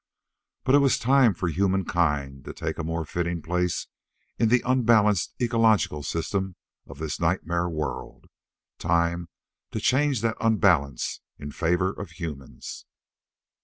But it was time for humankind to take a more fitting place in the unbalanced ecological system of this nightmare world, time to change that unbalance in favor of humans.